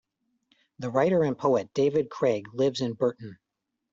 The writer and poet David Craig lives in Burton.